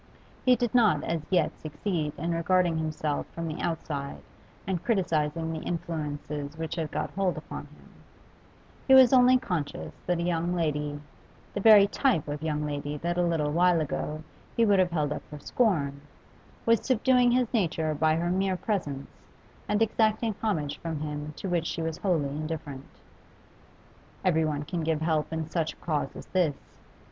He did not as yet succeed in regarding himself from the outside and criticising the influences which had got hold upon him; he was only conscious that a young lady the very type of young lady that a little while ago he would have held up for scorn was subduing his nature by her mere presence and exacting homage from him to which she was wholly indifferent. 'Everyone can give help in such a cause as this.